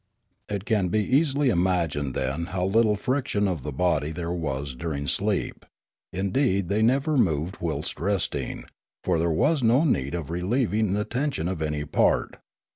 It can be easily imagined then how little friction of the body there was during sleep; indeed, they never moved whilst resting, for there was no need of relieving the tension of any part.